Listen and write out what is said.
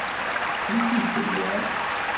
Wukud tellam?